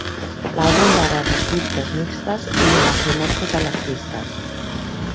L'àlbum va rebre crítiques mixtes i no va ser un èxit a les llistes.